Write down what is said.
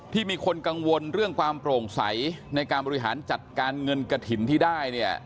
ที่มีคนกังวลเรื่องความโปร่งใสในการบริหารจัดการเงินกระถิ่นที่ได้เนี่ย